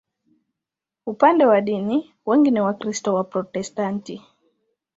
Upande wa dini, wengi ni Wakristo Waprotestanti.